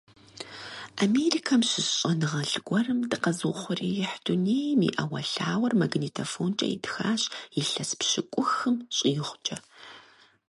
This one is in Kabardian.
Америкэм щыщ щӀэныгъэлӀ гуэрым дыкъэзыухъуреихь дунейм и Ӏэуэлъауэр магнитофонкӀэ итхащ илъэс пщыкӀухым щӀигъукӀэ.